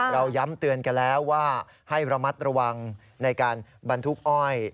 เราย้ำเตือนกันแล้วว่าให้ระมัดระวังในการบรรทุกอ้อย